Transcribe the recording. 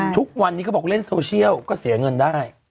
ทุกวันนี้เขาบอกเล่นโซเชียลก็เสียเงินได้